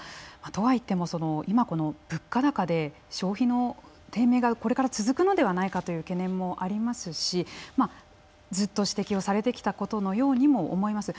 とはいっても今この物価高で消費の低迷がこれから続くのではないかという懸念もありますしずっと指摘をされてきたことのようにも思います。